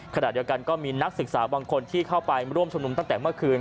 ขณะเดียวกันก็มีนักศึกษาบางคนที่เข้าไปร่วมชุมนุมตั้งแต่เมื่อคืน